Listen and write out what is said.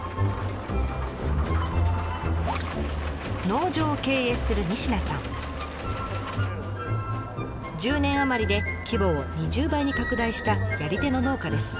農場を経営する１０年余りで規模を２０倍に拡大したやり手の農家です。